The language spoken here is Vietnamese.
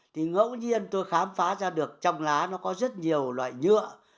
thì ngẫu nhiên tôi khám phá ra được trong lá nó có rất nhiều loại nhựa